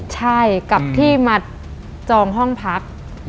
ใช่กับที่มาจองห้องพัก